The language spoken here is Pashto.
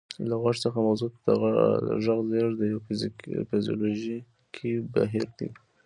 له غوږ څخه مغزو ته د غږ لیږد یو فزیولوژیکي بهیر دی